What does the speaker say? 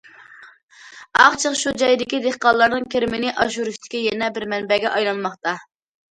ئاق چىغ شۇ جايدىكى دېھقانلارنىڭ كىرىمىنى ئاشۇرۇشىدىكى يەنە بىر مەنبەگە ئايلانماقتا.